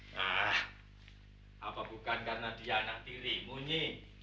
nah apa bukan karena dia anak dirimu nyi